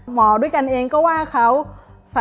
หมอด้วยกันเองก็ว่าเขา